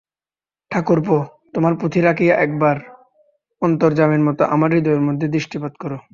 ঠাকুরপো, তোমার পুঁথি রাখিয়া একবার অন্তর্যামীর মতো আমার হৃদয়ের মধ্যে দৃষ্টিপাত করো।